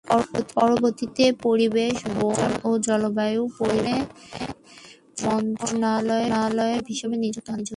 পরবর্তীতে পরিবেশ, বন ও জলবায়ু পরিবর্তন মন্ত্রণালয়ের সচিব হিসেবে নিযুক্ত হন।